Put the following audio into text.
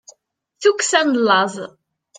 tukksa n laẓ